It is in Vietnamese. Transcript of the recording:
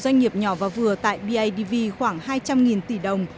doanh nghiệp nhỏ và vừa tại bidv khoảng hai trăm linh tỷ đồng